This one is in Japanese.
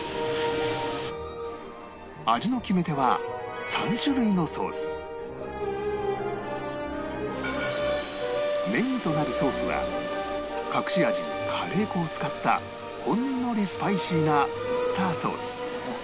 味の決め手はメインとなるソースは隠し味にカレー粉を使ったほんのりスパイシーなウスターソース